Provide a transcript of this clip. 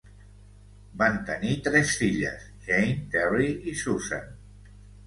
Van tenir tres filles: Jane, Terry i Susan.